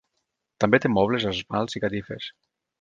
També té mobles, esmalts i catifes.